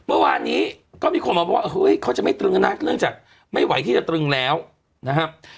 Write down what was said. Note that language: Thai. เมื่อวานนี้ก็มีคนมาบอกว่าเฮ้ยเขาจะไม่ตรึงนะเนื่องจากไม่ไหวที่จะตรึงแล้วนะครับ